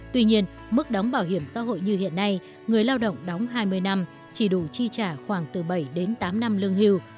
tuy nhiên mức đóng bảo hiểm xã hội như hiện nay người lao động đóng hai mươi năm chỉ đủ chi trả khoảng từ bảy đến tám năm lương hưu